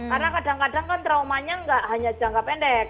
karena kadang kadang kan traumanya enggak hanya jangka pendek